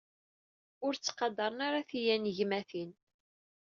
Ur ttqadaren ara tiyanegmatin.